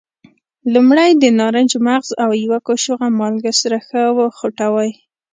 لومړی د نارنج مغز او یوه کاشوغه مالګه سره ښه وخوټوئ.